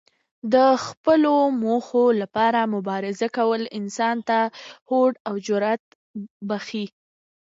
د خپلو موخو لپاره مبارزه کول انسان ته هوډ او جرات بښي.